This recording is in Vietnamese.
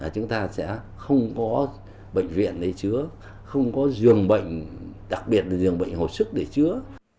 chúng ta sẽ không có bệnh viện để chứa không có giường bệnh đặc biệt là giường bệnh hộp sức để chứa